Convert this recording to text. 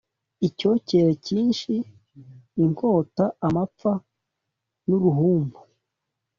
icyokere cyinshi, inkota, amapfa n’uruhumbu,